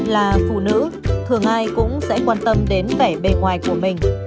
là phụ nữ thường ai cũng sẽ quan tâm đến vẻ bề ngoài của mình